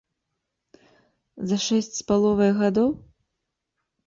За шэсць з паловай гадоў?